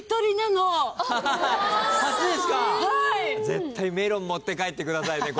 絶対メロン持って帰ってくださいね。